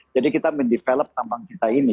jadi kita mendevelop tambang kita ini